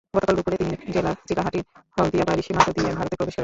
গতকাল দুপুরে তিনি জেলার চিলাহাটির হলদিয়াবাড়ি সীমান্ত দিয়ে ভারতে প্রবেশ করেন।